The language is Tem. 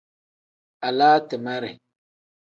Alaa timere.